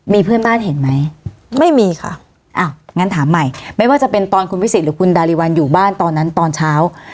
มีเพื่อนบ้านเห็นไหมไม่มีค่ะอ้าวงั้นถามใหม่ไม่ว่าจะเป็นตอนคุณวิสิทธิหรือคุณดาริวัลอยู่บ้านตอนนั้นตอนเช้า